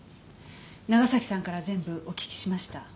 長崎さんから全部お聞きしました。